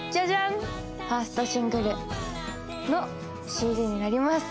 ファーストシングルのＣＤになります。